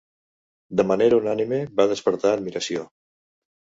De manera unànime, va despertar admiració.